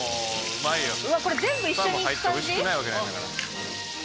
うわこれ全部一緒にいく感じ？